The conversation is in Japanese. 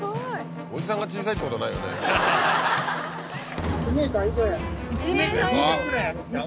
・おじさんが小さいってことないよね？